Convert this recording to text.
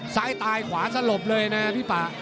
ซ้ายตายขวาสลบเลยนะพี่ป่า